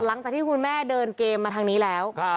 หลังจากที่คุณแม่เดินเกมมาทางนี้แล้ว